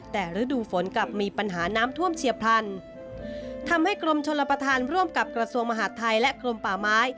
แต่ฤดูฝนกลับมีปัญหาน้ำท่วมเชียบพันธุ์